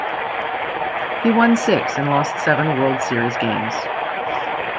He won six and lost seven World Series games.